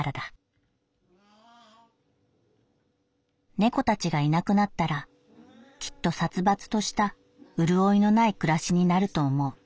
「猫たちがいなくなったらきっと殺伐とした潤いのない暮らしになると思う」。